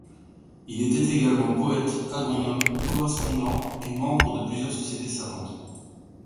Il était également poète, agronome, correspondant et membre de plusieurs sociétés savantes.